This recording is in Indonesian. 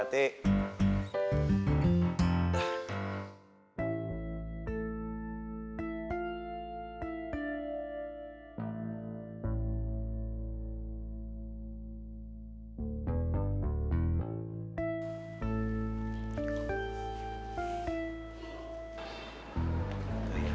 nih makasih besar ya